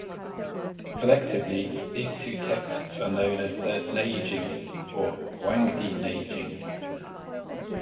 Collectively, these two texts are known as the "Neijing" or "Huangdi Neijing.